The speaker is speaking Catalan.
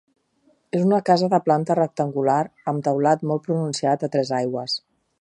És una casa de planta rectangular, amb teulat molt pronunciat a tres aigües.